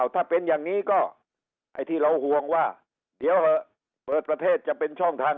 ถ้าเป็นอย่างนี้ก็ไอ้ที่เราห่วงว่าเดี๋ยวเหอะเปิดประเทศจะเป็นช่องทาง